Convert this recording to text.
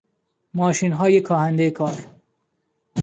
ماشینهای کاهندهی کار